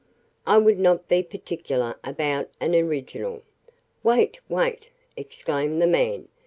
I would not be particular about an original." "Wait, wait!" exclaimed the man.